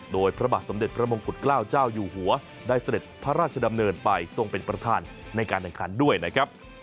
โดยพระบาทสมเด็จพระมงกุฎเกล้าเจ้าอยู่หัวได้เสด็จพระราชดำเนินไปทรงเป็นประธานในการแข่งขันด้วยนะครับ